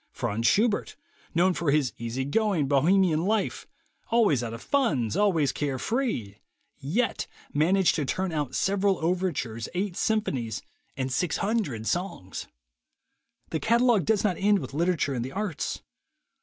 Franz Schubert, known for his easy going Bohemian life, always out of funds, always care free, yet managed to turn out several overtures, eight symphonies, and six hundred songs! The catalog does not end with literature and the arts.